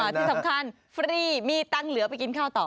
ที่สำคัญฟรีมีตังค์เหลือไปกินข้าวต่อ